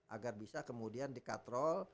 agar bisa kemudian dikatrol